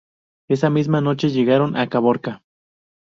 Esa misma noche llegaron a Caborca.